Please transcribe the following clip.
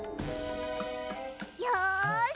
よし！